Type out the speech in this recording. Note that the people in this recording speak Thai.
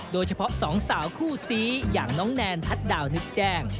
โดยเฉพาะสองสาวคู่ซีอย่างน้องแนนทัศน์ดาวนึกแจ้ง